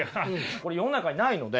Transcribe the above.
これ世の中にないので。